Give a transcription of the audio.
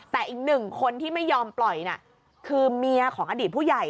แต่อีกหนึ่งคนที่ไม่ยอมปล่อยน่ะคือเมียของอดีตผู้ใหญ่